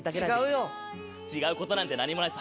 違うことなんて何もないさ。